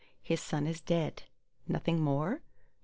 "His son is dead." Nothing more?